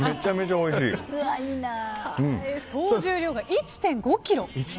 総重量が１．５ｋｇ。